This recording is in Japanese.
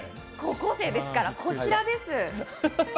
高校生ですから、こちらです。